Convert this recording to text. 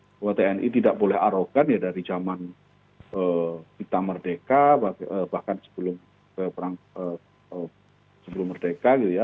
bahwa tni tidak boleh arogan ya dari zaman kita merdeka bahkan sebelum merdeka gitu ya